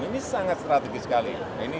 ini sangat strategis sekali